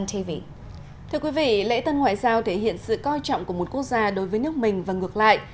thưa quý vị lễ tân ngoại giao thể hiện sự coi trọng của một quốc gia đối với nước mình và ngược lại